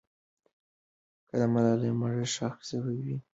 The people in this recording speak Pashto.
که د ملالۍ مړی ښخ سوی وي، نو درناوی به یې سوی وي.